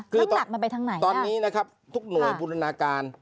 คือตลกมันไปทางไหนตอนนี้นะครับทุกหน่วยบูรณาการ